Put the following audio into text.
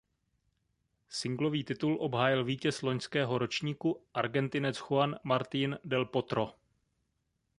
Singlový titul obhájil vítěz loňského ročníku Argentinec Juan Martín del Potro.